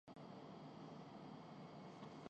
وہی اس کے مسائل۔